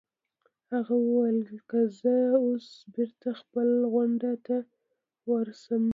هغه وویل: که زه اوس بېرته خپل غونډ ته ورشم.